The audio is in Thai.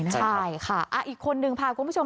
ใช่ค่ะอีกคนนึงพาคุณผู้ชม